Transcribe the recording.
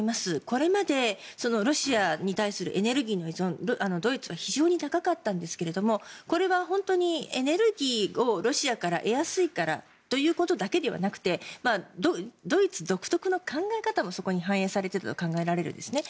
これまでロシアに対するエネルギーの依存がドイツは非常に高かったんですがこれはエネルギーをロシアから得やすいからということだけではなくてドイツ独特の考え方もそこに反映されていたと考えられるんですね。